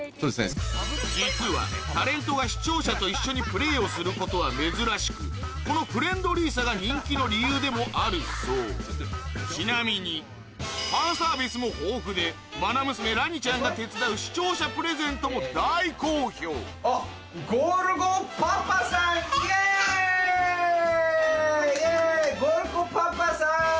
実はタレントが視聴者と一緒にプレイをすることは珍しくこのフレンドリーさが人気の理由でもあるそうちなみにファンサービスも豊富で愛娘ラニちゃんが手伝う視聴者プレゼントも大好評イェイ！